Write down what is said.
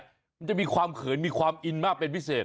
มันจะมีความเขินมีความอินมากเป็นพิเศษ